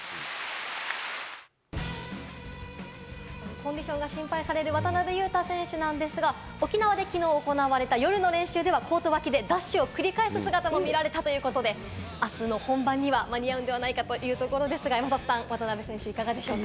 コンディションが心配される渡邊雄太選手なんですが、沖縄できのう行われた夜の練習では、コート脇でダッシュを繰り返す姿も見られたということで、あすの本番には間に合うんではないかというところですが、山里さん、いかがですか？